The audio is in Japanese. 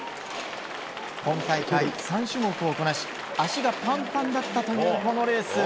今大会３種目をこなし足がパンパンだったというこのレース。